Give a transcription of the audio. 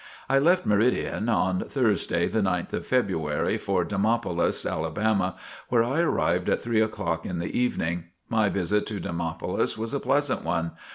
I left Meridian on Thursday, the 9th of February, for Demopolis, Alabama, where I arrived at three o'clock in the evening. My visit to Demopolis was a pleasant one.